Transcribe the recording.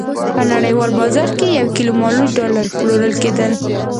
په نړیوال بازار کې یو کیلو مالوچ ډالر پلورل کېدل.